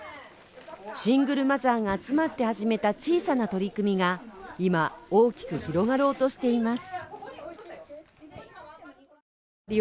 シングルマザーが集まって始めた小さな取り組みが今、大きく広がろうとしています。